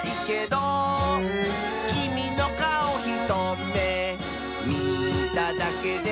「きみのかおひとめみただけで」